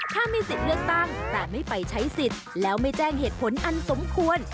ถ้ามีสิทธิ์เลือกตั้งแต่ไม่ไปใช้สิทธิ์แล้วไม่แจ้งเหตุผลอันสมควร